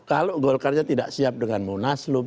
kalau golkarnya tidak siap dengan munaslup